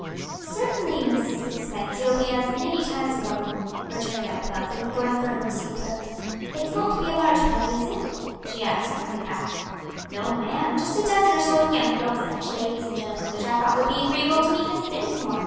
"Certainly, Mrs. Sixpence, you'll be as many times welcome," returned Aunt Wealthy, going for her receipt book. "It's not to be a large party, is it?" she asked, coming back. "No, ma'am, just a dozen or so of the young folks; such ladies and gentlemen which I thought would be agreeable to meet Miss Dinsmore.